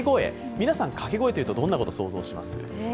皆さん、掛け声というとどんなもの想像します？